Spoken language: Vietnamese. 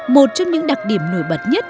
một trong những đặc điểm nổi bật nhất